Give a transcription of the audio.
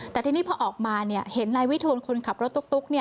แต่ทีนี้พอออกมาเห็นนายวิทูลคนขับรถตุ๊ก